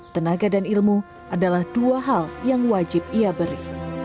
tenaga dan ilmu adalah dua hal yang wajib ia beri